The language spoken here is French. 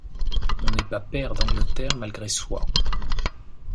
On n’est pas pair d’Angleterre malgré soi.